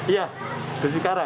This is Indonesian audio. iya dusun karak